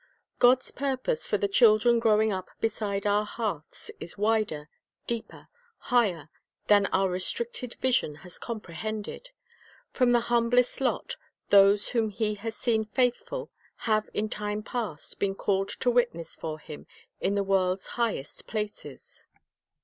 God's purpose for the children growing up beside our hearths is wider, deeper, higher, than our restricted vision has comprehended. From the humblest lot those whom He has seen faithful have in time past been called to witness for Him in the world's highest places.